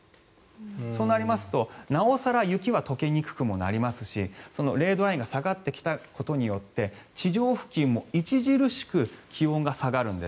そうなりますと、なお更雪は解けにくくもなりますし０度ラインが下がってきたことによって地上付近も著しく気温が下がるんです。